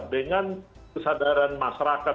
dengan kesadaran masyarakat